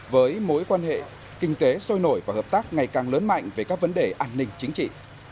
với mối quan hệ kinh tế sôi nổi và hợp tác ngày càng lớn mạnh về các vấn đề an ninh chính trị